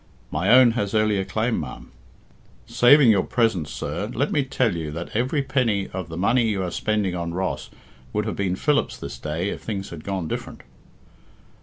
"My own has earlier claim, ma'am." "Saving your presence, sir, let me tell you that every penny of the money you are spending on Ross would have been Philip's this day if things had gone different."